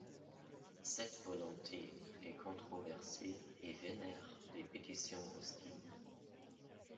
Cette volonté est controversée, et génère des pétitions hostiles.